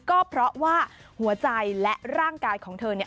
ก็เพราะว่าหัวใจและร่างกายของเธอเนี่ย